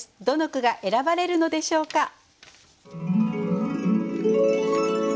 どの句が選ばれるのでしょうか。